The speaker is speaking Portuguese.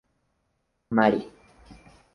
Mari